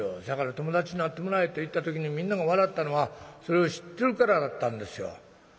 だから『友達になってもらえ』って言った時にみんなが笑ったのはそれを知ってるからだったんですよ。